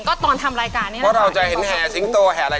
ก็ตอนทำรายการนี้นะค่ะเอ็งกอพระภูก็เราจะเห็นแห่สิงตัวแห่อะไร